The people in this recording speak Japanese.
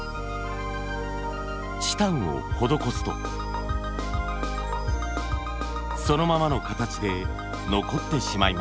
チタンを施すとそのままの形で残ってしまいます。